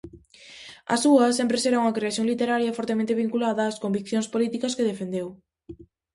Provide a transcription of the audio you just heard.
A súa será sempre unha creación literaria fortemente vinculada ás conviccións políticas que defendeu.